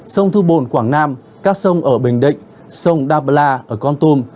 sông thu bồn quảng nam các sông ở bình định sông đa bờ la ở con tum